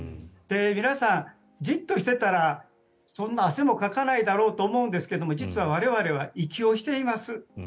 皆さん、じっとしていたらそんなに汗もかかないだろうと思うんですけど実は我々は息をしています。